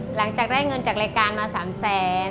หลังจากได้เงินจากรายการมา๓แสน